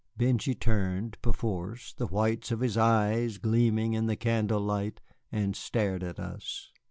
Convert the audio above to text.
Benjy turned, perforce, the whites of his eyes gleaming in the candle light, and stared at us.